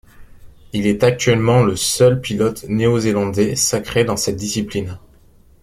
Il est actuellement le seul pilote néo-zélandais sacré dans cette discipline.